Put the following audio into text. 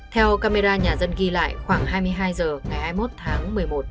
theo camera nhà dân ghi lại khoảng hai mươi hai h ngày hai mươi một tháng một mươi một